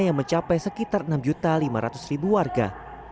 yang mencapai sekitar enam lima ratus warga